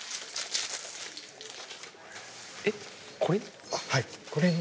えっこれに？